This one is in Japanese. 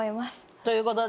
ということで。